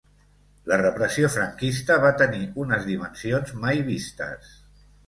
La repressió franquista va tenir unes dimensions mai vistes.